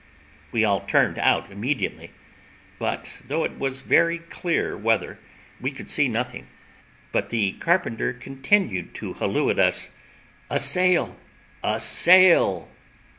We all turned out immediately; but, though it was very clear weather, we could see nothing; but the carpenter continuing to halloo to us, "A sail! a sail!"